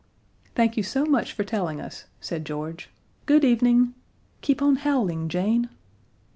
"Thank you so much for telling us," said George. "Good evening. (Keep on howling, Jane!)"